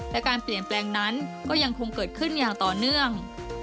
และการเปลี่ยนแปลงนั้นก็ยังคงเกิดขึ้นอย่างต่อเนื่อง